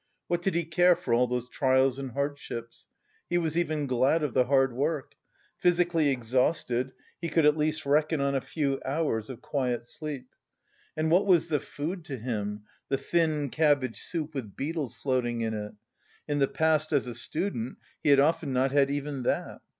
What did he care for all those trials and hardships! he was even glad of the hard work. Physically exhausted, he could at least reckon on a few hours of quiet sleep. And what was the food to him the thin cabbage soup with beetles floating in it? In the past as a student he had often not had even that.